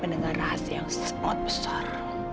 mendengar rahasia yang se spot besar